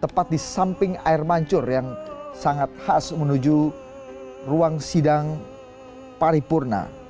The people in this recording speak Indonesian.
tepat di samping air mancur yang sangat khas menuju ruang sidang paripurna